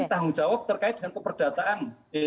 tanggung jawab terkait dengan keperdataan